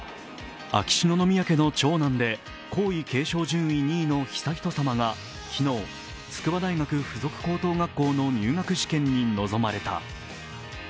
秋篠宮家の長男で皇位継承順位２位の悠仁さまが昨日、筑波大学附属高等学校の入学試験に臨まれた。